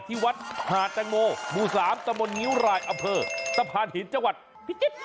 ที่วัดหาดแตงโมหมู่๓ตะบนงิ้วรายอำเภอตะพานหินจังหวัดพิจิตร